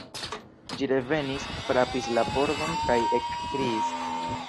Ĝi revenis, frapis la pordon kaj ekkriis.